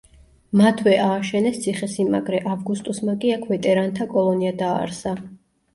მათვე ააშენეს ციხესიმაგრე, ავგუსტუსმა კი აქ ვეტერანთა კოლონია დააარსა.